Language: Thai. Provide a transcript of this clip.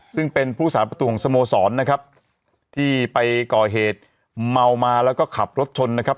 ซึ่งเป็นผู้สาประตูของสโมสรนะครับที่ไปก่อเหตุเมามาแล้วก็ขับรถชนนะครับ